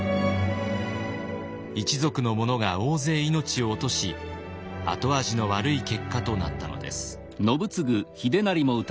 一族の者が大勢命を落とし後味の悪い結果となったのです。